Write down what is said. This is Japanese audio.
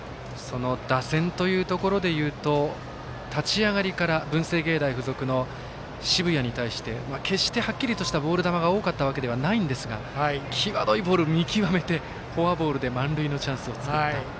打線というところでいうと立ち上がりから文星芸大付属の澁谷に対して決して、はっきりとしたボール球が多かったわけではないんですが際どいボール見極めてフォアボールで満塁のチャンスを作った。